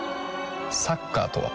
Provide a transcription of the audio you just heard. サッカーとは？